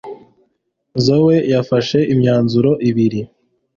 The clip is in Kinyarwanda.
Zoe yafashe imyanzuro ibiri